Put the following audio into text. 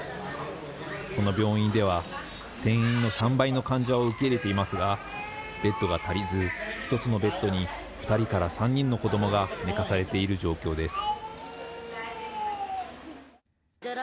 この病院では、定員の３倍の患者を受け入れていますが、ベッドが足りず、１つのベッドに２人から３人の子どもが寝かされている状況です。